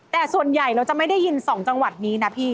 แต่ส่วนใหญ่เราจะไม่ได้ยิน๒จังหวัดนี้นะพี่